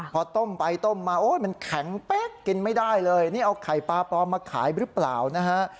พอต้มไปต้มมาโอ้ยมันแข็งเป๊กกินไม่ได้เลยนี่เอาไข่ปลาปลอมมาขายหรือเปล่านะฮะ